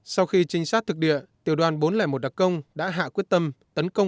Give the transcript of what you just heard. sau khi trinh sát thực địa tiểu đoàn bốn trăm linh một đặc công đã hạ quyết tâm